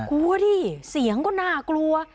ดูสิเสียงก็น่ากลัว